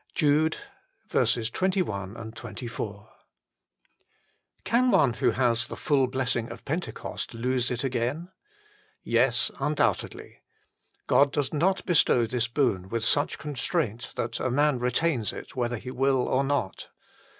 JCDE 21, 24. /"^AN one who has the full blessing of Pentecost lose it again ? Yes : undoubtedly. God does not bestow this boon with such constraint that a man retains it whether he will or not.